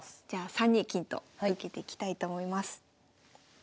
じゃあ３二金と受けていきたいと思います。